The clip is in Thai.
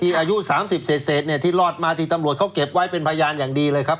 อายุ๓๐เสร็จเนี่ยที่รอดมาที่ตำรวจเขาเก็บไว้เป็นพยานอย่างดีเลยครับ